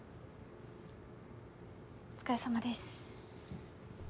お疲れさまです。